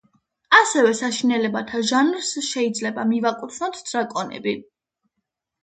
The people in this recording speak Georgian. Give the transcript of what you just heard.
ასევე საშინელებათა ჟანრს შეიძლება მივაკუთვნოთ დრაკონები.